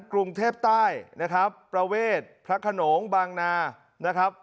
กรุงเทพใต้นะครับประเวทพระขนงบางนานะครับ